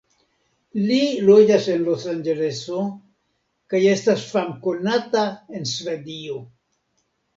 Li loĝas en Los-Anĝeleso kaj estas famkonata en Svedio.